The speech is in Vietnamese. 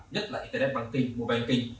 nhất là internet băng kinh mua băng kinh